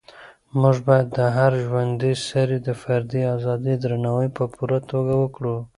موږ باید د هر ژوندي سري د فردي ازادۍ درناوی په پوره توګه وکړو.